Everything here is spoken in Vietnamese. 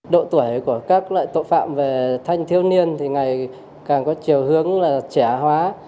độ tuổi của các loại tội phạm về thanh thiếu niên ngày càng có chiều hướng trẻ hóa